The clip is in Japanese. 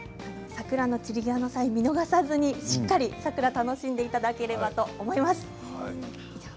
桜の散り際のサインを見逃さずにしっかりと桜を楽しんでいただければと思います。